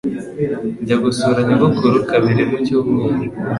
Njya gusura nyogokuru kabiri mu cyumweru.